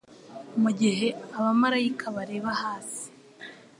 Mugihe abamarayika bareba hasi